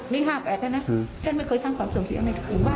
นี่๕แบบเท่านั้นฉันไม่เคยสร้างความเสี่ยงในกลุ่มว่า